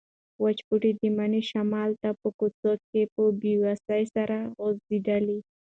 وچ بوټي د مني شمال ته په کوڅه کې په بې وسۍ سره خوځېدل.